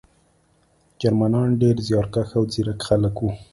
جرمنان ډېر زیارکښ او ځیرک خلک وو